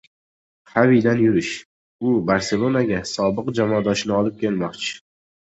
Xavidan yurish: u “Barselona”ga sobiq jamoadoshini olib kelmoqchi